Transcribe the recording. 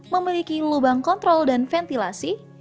memiliki lubang kontrol dan ventilasi